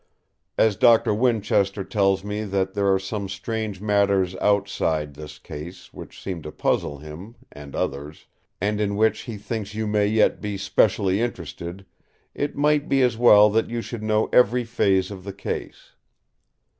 As Doctor Winchester tells me that there are some strange matters outside this case which seem to puzzle him—and others—and in which he thinks you may yet be specially interested, it might be as well that you should know every phase of the case.